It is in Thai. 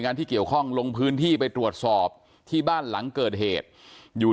ที่เกี่ยวข้องลงพื้นที่ไปตรวจสอบที่บ้านหลังเกิดเหตุอยู่